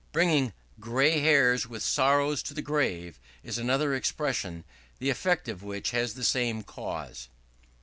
Bringing "gray hairs with sorrow to the grave," is another expression, the effect of which has the same cause.